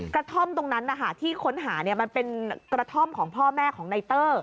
กระท่อมตรงนั้นที่ค้นหามันเป็นกระท่อมของพ่อแม่ของนายเตอร์